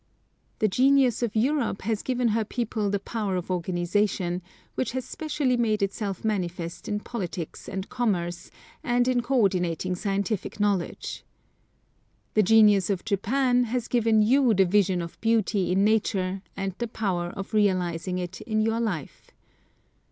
The genius of Europe has given her people the power of organisation, which has specially made itself manifest in politics and commerce and in coordinating scientific knowledge. The genius of Japan has given you the vision of beauty in nature and the power of realising it in your life.